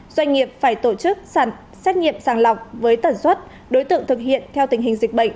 doanh nghiệp phải tổ chức xét nghiệm sàng lọc với tẩn xuất đối tượng thực hiện theo tình hình dịch bệnh